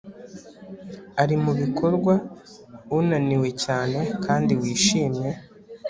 ari, mubikorwa, unaniwe cyane kandi wishimye